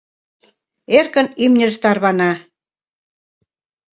Эркын имньыж тарвана.